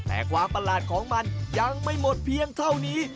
แต่ความประหลาดของมันยังไม่หมดเพียงเท่านี้